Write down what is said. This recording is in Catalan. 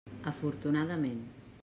Afortunadament.